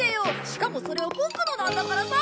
しかもそれはボクのなんだからさ！